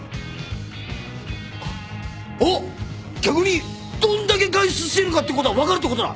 逆にどんだけ外出してるかってことが分かるってことだ！